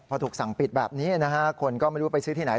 พอถูกสั่งปิดแบบนี้นะฮะคนก็ไม่รู้ไปซื้อที่ไหน